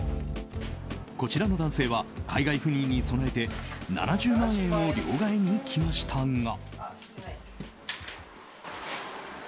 こちらの男性は海外赴任に備えて７０万円を両替に来ましたが。